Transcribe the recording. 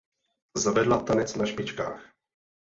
Zavedla tanec na špičkách.